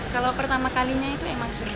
kalau pertama kalinya itu emang sulit pak